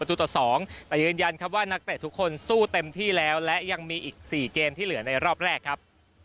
แต่ยืนยันครับว่านักเตะทุกคนสู้เต็มที่แล้วและยังมีอีก๔เกมที่เหลือในรอบแรกครับ